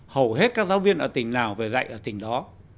hầu hết các giáo viên ở tỉnh nào về dạy ở tỉnh đó